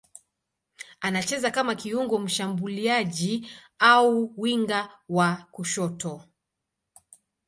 Anacheza kama kiungo mshambuliaji au winga wa kushoto.